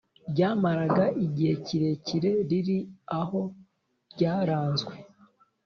ryamaraga igihe kirekire riri aho ryaranzwe